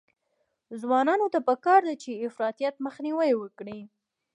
ځوانانو ته پکار ده چې، افراطیت مخنیوی وکړي.